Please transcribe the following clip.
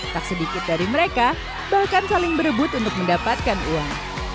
tak sedikit dari mereka bahkan saling berebut untuk mendapatkan uang